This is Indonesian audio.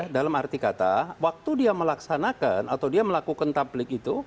dalam arti kata waktu dia melaksanakan atau dia melakukan tablik itu